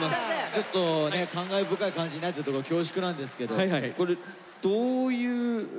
ちょっと感慨深い感じになってるとこ恐縮なんですけどこれどういうゲームなんですか？